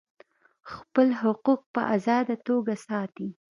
خپل حقوق په آزاده توګه ساتي.